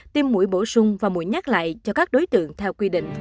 tiêm mũi bổ sung và mũi nhát lại cho các đối tượng theo quy định